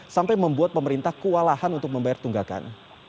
sampai membuat pemerintah kewalahan untuk membayar tunggakan